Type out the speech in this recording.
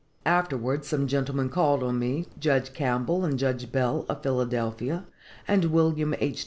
Afterwards some gentlemen called on me [Judge Campbell and Judge Bell, of Philadelphia, and William H.